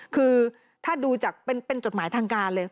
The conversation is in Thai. คือถ้าดูจากเป็นจดหมายทางการเลย